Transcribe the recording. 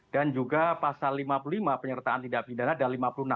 dan juga pasal lima puluh lima penyertaan tidak pidana dan lima puluh enam